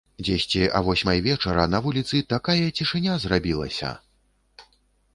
Дзесьці а восьмай вечара на вуліцы такая цішыня зрабілася!